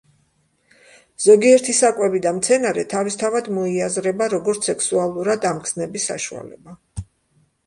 ზოგიერთი საკვები და მცენარე თავისთავად მოიაზრება, როგორც სექსუალურად აღმგზნები საშუალება.